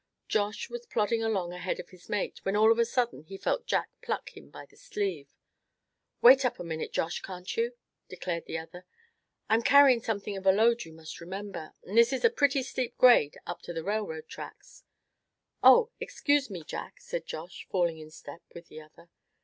Josh was plodding along ahead of his mate when all of a sudden he felt Jack pluck him by the sleeve. "Wait up a minute, Josh, can't you?" declared the other; "I'm carrying something of a load, you must remember, and this is a pretty steep grade up to the railroad tracks." "Oh! excuse me, Jack," said Josh, falling in step with the other.